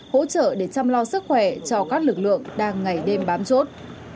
hỗ trợ để chăm lo sức khỏe cho các lực lượng đang ngày đêm bám chốt